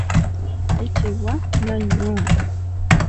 Ayitibwa Nnannyonga.